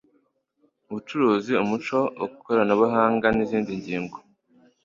ubucuruzi, umuco, ikoranabuhanga, nizindi ngingo